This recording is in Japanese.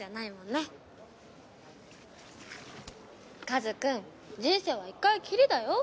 和くん人生は１回きりだよ！